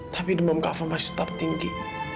tapi demam kak fadil masih tetap tinggi